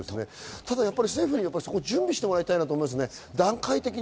ただ政府に準備はしていただきたいと思いますね。